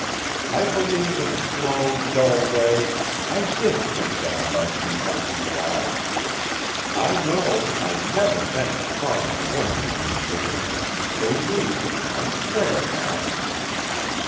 I believe in a slow, dull way I did think that about you once in a while. I know I never meant to harm the woman in you, Janet; believe me, I swear that!"